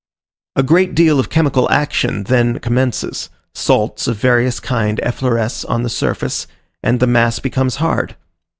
A great deal of chemical action then commences, salts of various kinds effloresce on the surface, and the mass becomes hard.